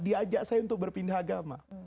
diajak saya untuk berpindah agama